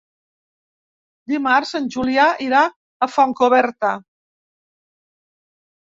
Dimarts en Julià irà a Fontcoberta.